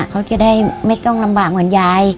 เขาจะได้ไม่ต้องลำบากเหมือนยาย